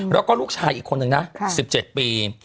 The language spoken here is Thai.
แล้วก็ลูกชายอีกคนนึงนะ๑๗ปี